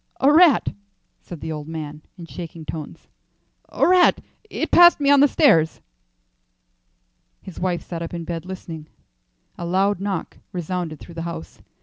"A rat," said the old man in shaking tones "a rat. It passed me on the stairs." His wife sat up in bed listening. A loud knock resounded through the house.